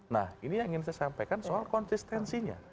nah ini yang ingin saya sampaikan soal konsistensinya